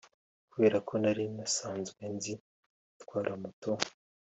Kubera ko nari nsanzwe nzi gutwara moto